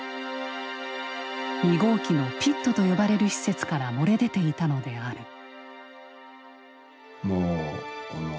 ２号機のピットと呼ばれる施設から漏れ出ていたのである。